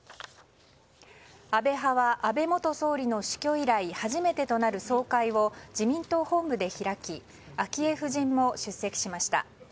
安倍派は安倍元総理の死去以来初めてとなる総会を自民党本部で開き昭恵夫人も出席しました。